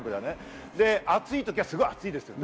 暑い時は、すごい暑いです。